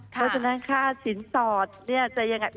เพราะฉะนั้นค่าสินสอดเนี่ยจะยังไง